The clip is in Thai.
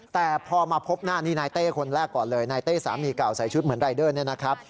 แต่พอมาพบหน้านี่นายเต้คนแรกก่อนเลยนายเต้สามีเก่าใส่ชุดเหมือนรายเดอร์เนี่ยนะครับ